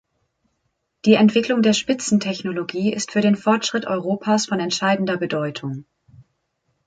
Die Entwicklung der Spitzentechnologie ist für den Fortschritt Europas von entscheidender Bedeutung.